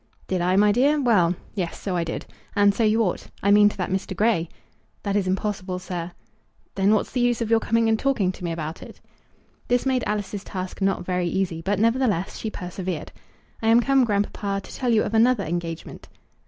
"Did I, my dear? Well, yes; so I did. And so you ought; I mean to that Mr. Grey." "That is impossible, sir." "Then what's the use of your coming and talking to me about it?" This made Alice's task not very easy; but, nevertheless, she persevered. "I am come, grandpapa, to tell you of another engagement."